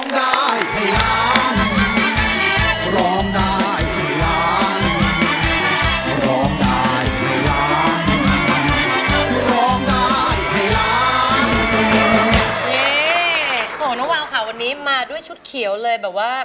นี่น้องวาวค่ะวันนี้มาด้วยชุดเขียวเลยแบบว่า